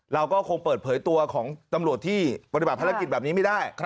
เราก็คงเปิดเผยตัวของตำรวจที่ปฏิบัติภารกิจแบบนี้ไม่ได้